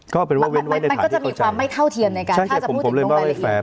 ก็เป็นว่าเว้นไว้ในถ่ายที่เข้าใจมันมันก็จะมีความไม่เท่าเทียมในการถ้าจะพูดถึงลงรายละเอียด